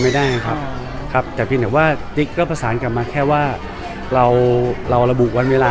ไม่นอกหาข้อสรุปกันไม่ได้ไงครับแต่พี่หนุ่มก็จะพินที่สั่งมาว่าระบุกวันเวลา